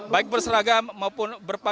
baik berseragam maupun berpakaian apreman